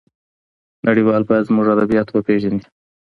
نړيوال بايد زموږ ادبيات وپېژني.